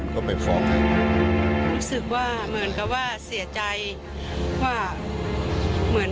มีความรู้สึกว่าเสียใจ